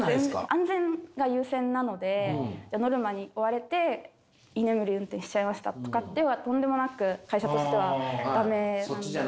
安全が優先なのでノルマに追われて居眠り運転しちゃいましたとかはとんでもなく会社としては駄目なんで。